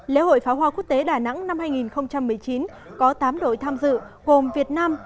lễ hội pháo hoa quốc tế đà nẵng năm hai nghìn một mươi chín có tám đội tham dự gồm việt nam